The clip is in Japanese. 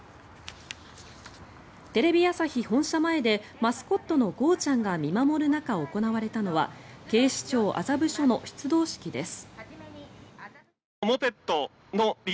テレビ朝日本社前でマスコットのゴーちゃん。が見守る中、行われたのは警視庁麻布署の出動式です。